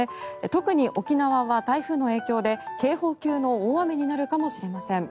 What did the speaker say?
特に沖縄は台風の影響で警報級の大雨になるかもしれません。